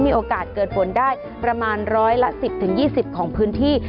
มีโอกาสเกิดผลได้ประมาณ๑๑๐๒๐ของพื้นที่